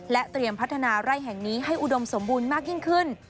เตรียมพัฒนาไร่แห่งนี้ให้อุดมสมบูรณ์มากยิ่งขึ้น